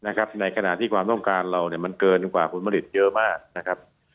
ในขณะที่ความต้องการเราเกินกว่าผลผลิตเยอะมาก